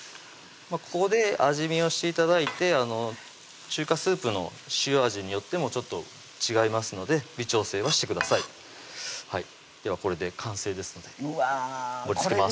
ここで味見をして頂いて中華スープの塩味によってもちょっと違いますので微調整をしてくださいではこれで完成ですので盛りつけます